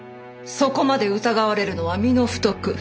そこまで疑われるのは身の不徳。